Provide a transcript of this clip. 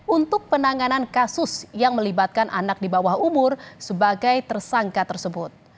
untuk penanganan kasus yang melibatkan anak di bawah umur sebagai tersangka tersebut